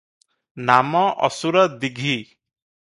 ନାମ ଅସୁର ଦୀଘି ।